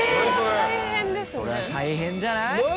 それは大変じゃない？